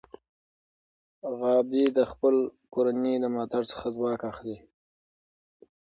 غابي د خپل کورنۍ د ملاتړ څخه ځواک اخلي.